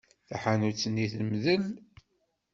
Taḥanut-nni temdel.